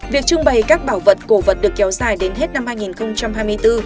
việc trưng bày các bảo vật cổ vật được kéo dài đến hết năm hai nghìn hai mươi bốn